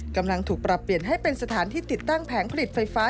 กำลังถูกปรับเปลี่ยนให้เป็นสถานที่ติดตั้งแผงผลิตไฟฟ้า